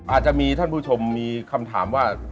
อาจจะมีท่านผู้ชมมีคำถามว่า